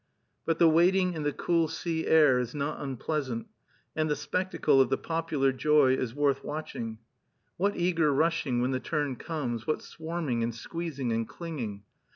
But the waiting in the cool sea air is not unpleasant; and the spectacle of the popular joy is worth watching. What eager rushing when the turn comes! what swarming and squeezing and clinging!